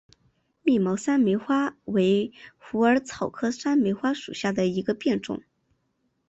密毛山梅花为虎耳草科山梅花属下的一个变种。